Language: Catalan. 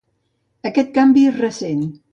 Aquest canvi és recent.